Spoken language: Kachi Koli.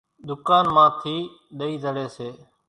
ۮُڪانَ مان ٿِي ۮئِي زڙيَ سي۔